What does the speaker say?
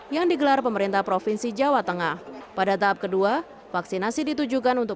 yang digelar pemerintah provinsi jawa tengah pada tahap kedua vaksinasi ditujukan untuk